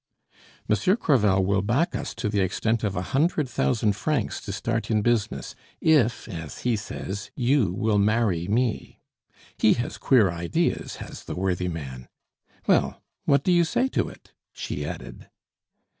"Monsieur Crevel will back us to the extent of a hundred thousand francs to start in business, if, as he says, you will marry me. He has queer ideas, has the worthy man. Well, what do you say to it?" she added.